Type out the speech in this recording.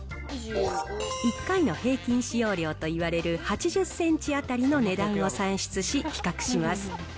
１回の平均使用量といわれる８０センチ当たりの値段を算出し、比較します。